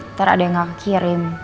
ntar ada yang gak kirim